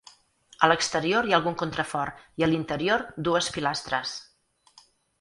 A l'exterior hi ha algun contrafort i a l'interior dues pilastres.